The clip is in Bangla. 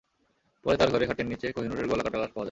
পরে তাঁর ঘরে খাটের নিচে কোহিনুরের গলা কাটা লাশ পাওয়া যায়।